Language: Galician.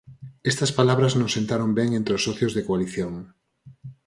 Estas palabras non sentaron ben entre os socios de coalición.